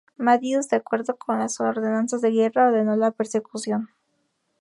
Matthews, de acuerdo con las ordenanzas de guerra, ordenó la persecución.